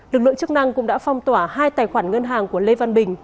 lực lượng chức năng cũng đã phong tỏa hai tài khoản ngân hàng của lê văn bình